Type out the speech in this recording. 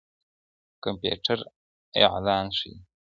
کمپيوټر اعلان ښيي.